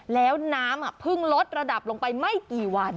แล้วน้ำเพิ่งลดระดับลงไปไม่กี่วัน